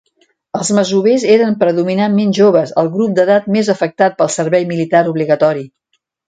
Els masovers eren predominantment joves, el grup d'edat més afectat pel servei militar obligatori.